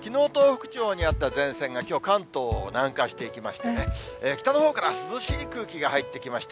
きのう東北地方にあった前線がきょう、関東を南下していきましてね、北のほうから涼しい空気が入ってきました。